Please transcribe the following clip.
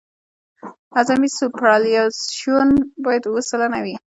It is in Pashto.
اعظمي سوپرایلیویشن باید اوه سلنه وي